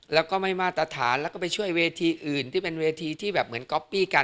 แล้วก็ไม่มาตรฐานแล้วก็ไปช่วยเวทีอื่นที่เป็นเวทีที่แบบเหมือนก๊อปปี้กัน